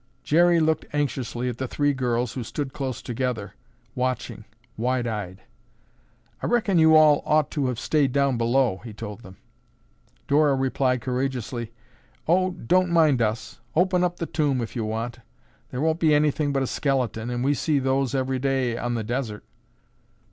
Jerry looked anxiously at the three girls who stood close together watching, wide eyed. "I reckon you all ought to have stayed down below," he told them. Dora replied courageously, "Oh, don't mind us. Open up the tomb if you want. There won't be anything but a skeleton, and we see those every day on the desert."